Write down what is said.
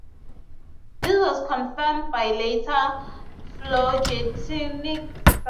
This was confirmed by later phylogenetic studies.